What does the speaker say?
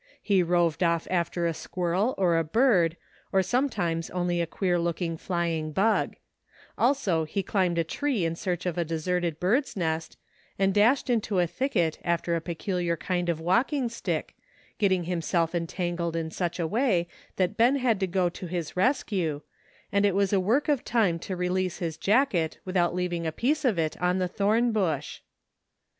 He roved off after a squirrel or a bird, or sometimes only a queer looking flying bug; also he climbed a tree in search of a deserted bird's nest, and dashed into a thicket after a peculiar kind of walking stick, getting himself entangled in such a way that Ben had to go to his rescue, and it was a 41 42 ''A PRETTY STATE OF THINGS:' work of time to release his jacket without leav ing a piece of it on the thorn bush.